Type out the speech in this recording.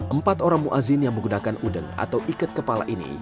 empat orang ⁇ muazzin yang menggunakan udeng atau ikat kepala ini